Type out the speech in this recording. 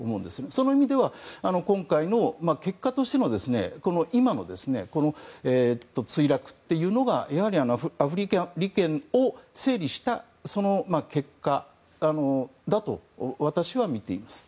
その意味では今回の結果としての今の墜落というのがアフリカ利権を整理した結果だと私はみています。